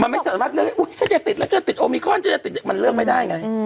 มันไม่สามารถเลือกอุ๊ยฉันจะติดแล้วฉันจะติดโอมิกรมันเลือกไม่ได้ไง